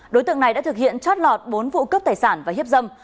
đối tượng này đã thực hiện chót lọt bốn vụ cướp tài sản và hiếp dâm